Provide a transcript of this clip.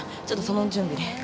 ちょっとその準備で。